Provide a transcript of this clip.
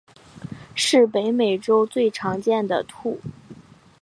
是北美洲最常见的兔。